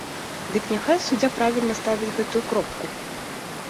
Дык няхай суддзя правільна ставіць гэтую кропку!